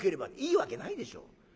いいわけないでしょ。